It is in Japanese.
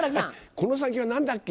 「この先は何だっけ？」